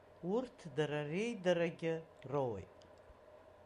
Урҭ дара реидарагьы роуеит.